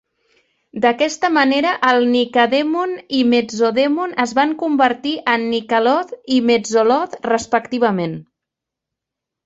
D'aquesta manera, el Nycadaemon i el Mezzodaemon es van convertir en Nycaloth i Mezzoloth, respectivament.